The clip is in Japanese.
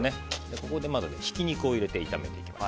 ここに、ひき肉を入れて炒めていきます。